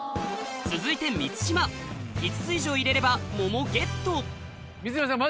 続いて満島５つ以上入れれば桃ゲット満島さん